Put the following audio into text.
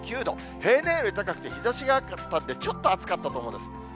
平年より高くて、日ざしがあったんで、ちょっと暑かったと思うんです。